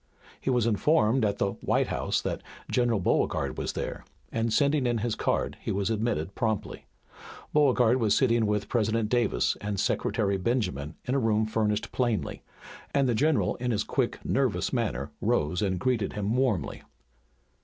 He was informed at the "White House" that General Beauregard was there, and sending in his card he was admitted promptly. Beauregard was sitting with President Davis and Secretary Benjamin in a room furnished plainly, and the general in his quick, nervous manner rose and greeted him warmly.